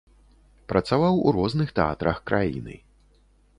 Працаваў у розных тэатрах краіны.